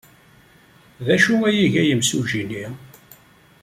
D acu ay iga yimsujji-nni?